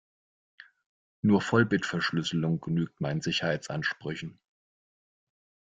Nur Vollbitverschlüsselung genügt meinen Sicherheitsansprüchen.